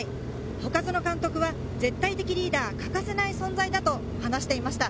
外園監督は絶対的リーダー、欠かせない存在だと話していました。